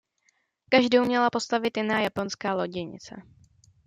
Každou měla postavit jiná japonská loděnice.